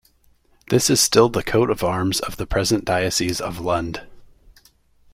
This is still the coat of arms of the present diocese of Lund.